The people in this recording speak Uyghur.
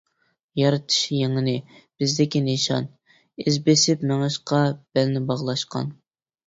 يارىتىش يېڭىنى بىزدىكى نىشان، ئىز بېسىپ مېڭىشقا بەلنى باغلاشقان.